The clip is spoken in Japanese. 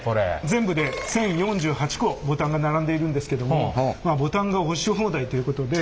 全部で１，０４８個ボタンが並んでいるですけどもまあボタンが押し放題ということで。